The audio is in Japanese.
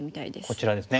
こちらですね。